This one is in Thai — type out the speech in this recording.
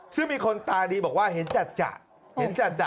ซึ่งมีคนตาดีบอกว่าเห็นจัด